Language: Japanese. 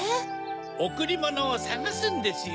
おくりものをさがすんですよ。